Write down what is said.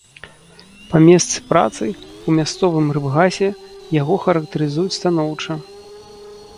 Па месцы працы, у мясцовым рыбгасе, яго характарызуюць станоўча.